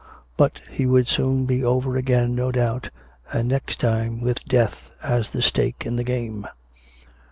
But he would soon be over again, no doubt, and next time with death as the stake in the game.